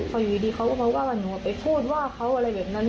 พออยู่ดีเขาก็มาว่าว่าหนูไปพูดว่าเขาอะไรแบบนั้น